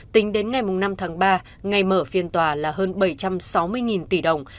tính đến ngày năm tháng ba ngày mở phiên tòa là hơn bảy trăm sáu mươi tỷ đồng